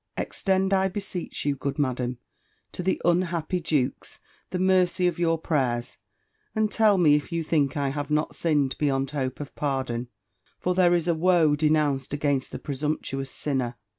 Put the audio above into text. Extend, I beseech you, good Madam, to the unhappy Jewkes, the mercy of your prayers, and tell me if you think I have not sinned beyond hope of pardon; for there is a woe denounced against the presumptuous sinner.